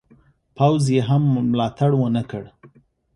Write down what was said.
پوځ یې هم ملاتړ ونه کړ.